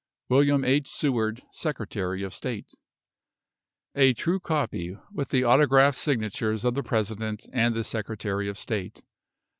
WILLIAM H. SEWARD, Secretary of State. A true copy, with the autograph signatures of the President and the Secretary of State.